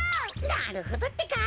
なるほどってか。